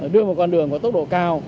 đưa một con đường có tốc độ cao